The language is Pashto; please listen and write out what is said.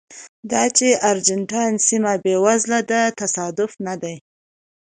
دا چې ارجنټاین سیمه بېوزله ده تصادف نه دی.